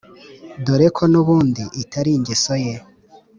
dore ko n’ubundi itari ingeso ye.